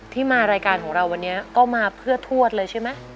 ที่มารายการของเราวันนี้ก็มาเพื่อทวดเลยใช่ไหม